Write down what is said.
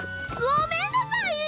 ごめんなさい！